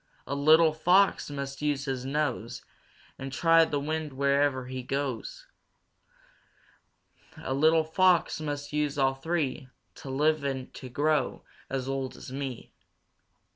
"A little Fox must use his nose And try the wind where'er he goes. "A little Fox must use all three To live to grow as old as me.